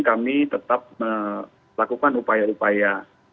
kami tetap melakukan upaya upaya